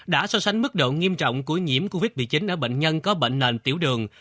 đã so sánh mức độ nghiêm trọng của nhiễm covid một mươi chín ở bệnh nhân có bệnh nền tiểu đường